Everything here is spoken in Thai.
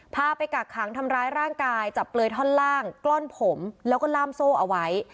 พาไปกักขังทำร้ายร่างกายจับเปลือยท่อนล่างกล้อนผมแล้วก็ล่ามโซ่เอาไว้